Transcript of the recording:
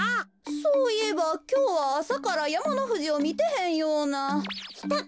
そういえばきょうはあさからやまのふじをみてへんような。